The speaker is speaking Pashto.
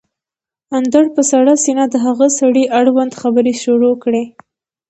اندړ په سړه سينه د هغه سړي اړوند خبرې شروع کړې